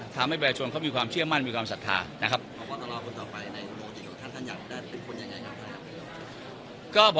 ทำให้พายชนเขามีความเชื่อมั่นมีความศรัทธานะครับ